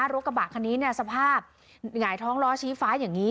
รถกระบะคันนี้สภาพหงายท้องล้อชี้ฟ้าอย่างนี้